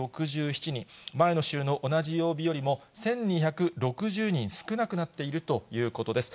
前の週の同じ曜日よりも１２６０人少なくなっているということです。